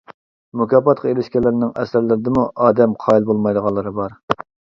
مۇكاپاتقا ئېرىشكەنلەرنىڭ ئەسەرلىرىدىمۇ ئادەم قايىل بولمايدىغانلىرى بار.